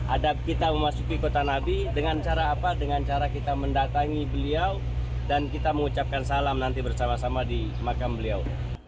adab kita memasuki kota nabi dengan cara apa dengan cara kita mendatangi beliau dan kita mengucapkan salam nanti bersama sama di makam beliau